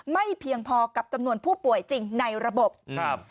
ไม่เพียงพอกับจำนวนผู้ป่วยจริงในระบบครับ